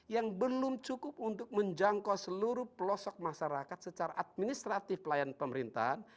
yang belum cukup untuk menjangkau seluruh pelosok masyarakat secara administratif pelayanan pemerintahan